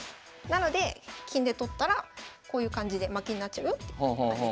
なので金で取ったらこういう感じで負けになっちゃうよって感じです。